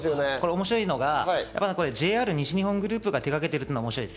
面白いのがＪＲ西日本グループが手がけているのが面白い。